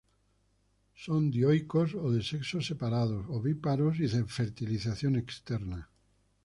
Son dioicos, o de sexos separados, ovíparos, y de fertilización externa.